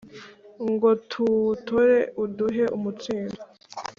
ngo tuwutore uduhe umutsindo